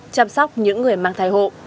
chăm sóc những người mang thai hộ